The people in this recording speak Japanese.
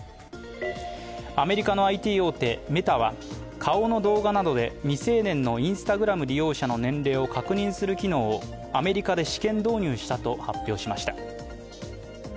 アメリカのＩＴ大手メタは顔の動画などで未成年のＩｎｓｔａｇｒａｍ利用者の年齢を確認する機能をアメリカで試験導入したと発表しました。